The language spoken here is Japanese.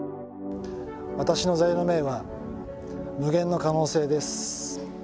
私の座右の銘は無限の可能性です